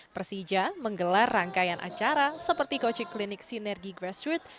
persija menggelar rangkaian acara seperti kocik klinik sinergi grassroot